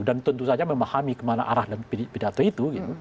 dan tentu saja memahami kemana arah pidato itu gitu